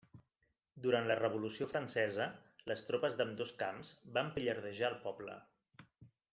Durant la revolució francesa les tropes d'ambdós camps van pillardejar el poble.